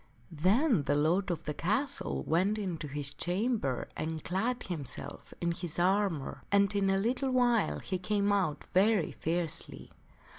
Then the lord of the castle went into his chamber and clad himself in his armor, and in a little while he came out very fiercely.